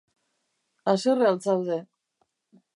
Haserre al zaude?